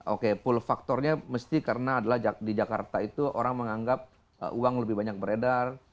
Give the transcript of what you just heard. oke pool faktornya mesti karena adalah di jakarta itu orang menganggap uang lebih banyak beredar